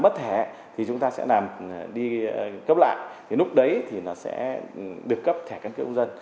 thế lúc đấy thì nó sẽ được cấp thẻ căn cước